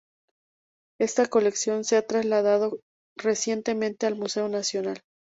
Esta colección se ha trasladado recientemente al Museo Nacional.